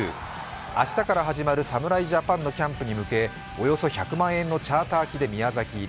明日から始まる侍ジャパンのキャンプに向けおよそ１００万円のチャーター機で宮崎入り。